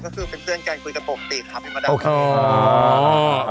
ก็คือเป็นเพื่อนกันคุยกับปกติครับ